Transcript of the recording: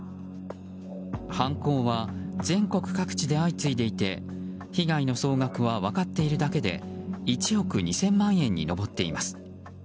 犯行は全国各地で相次いでいて被害の総額は分かっているだけで１億２０００万円に上っています。